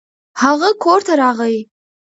هغه کور ته راغی.